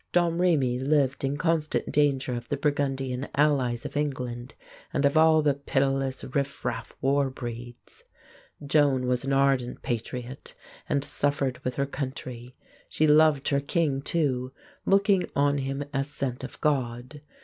Domrémy lived in constant danger of the Burgundian allies of England and of all the pitiless riffraff war breeds. Joan was an ardent patriot and suffered with her country; she loved her king too, looking on him as sent of God.